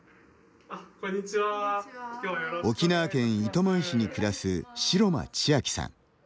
沖縄県糸満市に暮らす城間ちあきさん。